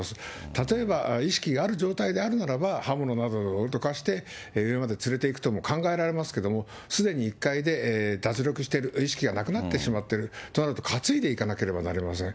例えば意識がある状態であるならば、刃物などで脅かして、上まで連れていくとも考えられますけど、すでに１階で脱力している、意識がなくなってしまっているとなると、担いでいかなければなりません。